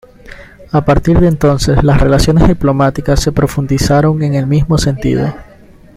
A partir de entonces, las relaciones diplomáticas se profundizaron en el mismo sentido.